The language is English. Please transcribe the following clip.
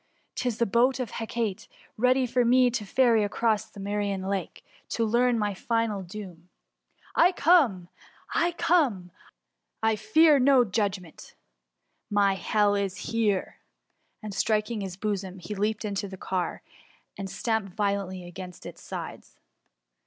'Tis the boat of Hecate, ready to ferry me across the Mserian Lake, to learn my final doom. I come I I come ! I fear no S54 THE MUMUr. judgment ! My hell is here !^ and, striking his boson), he leaped into the car, and stamped vio lently against its sides.